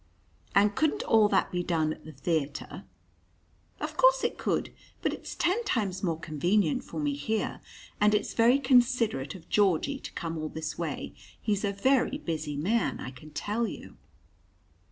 "And couldn't all that be done at the theatre?" "Of course it could. But it's ten times more convenient for me here. And it's very considerate of Georgie to come all this way he's a very busy man, I can tell you."